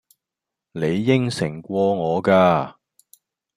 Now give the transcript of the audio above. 你應承過我㗎